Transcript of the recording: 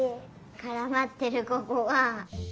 からまってるここが。